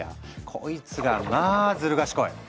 こいつがまあずる賢い。